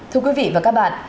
thưa quý vị và các bạn